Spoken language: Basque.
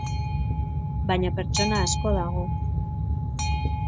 Baina pertsona asko dago.